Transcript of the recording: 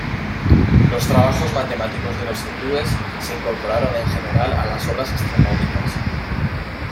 Los trabajos matemáticos de los hindúes se incorporaron en general a las obras astronómicas.